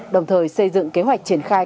đồng thời xây dựng kế hoạch triển khai